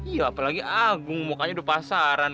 iya apalagi agung mukanya udah pasaran